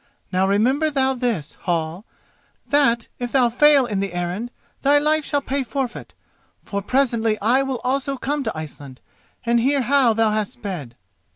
Now remember thou this, Hall, that if thou fail in the errand thy life shall pay forfeit, for presently I will also come to Iceland and hear how thou hast sped."